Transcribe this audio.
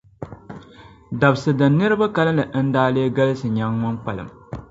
Dabsi' dini niriba kalinli n-daa lee galisi nyaŋ ŋun kpalim?